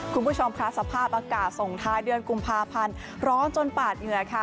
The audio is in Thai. คุณผู้ชมค่ะสภาพอากาศส่งท้ายเดือนกุมภาพันธ์ร้อนจนปาดเหงื่อค่ะ